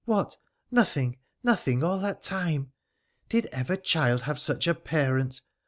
What ? Nothing, nothing all that time ? Did ever child have such a parent